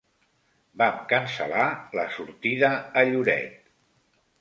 Vam cancel·lar la sortida a Lloret.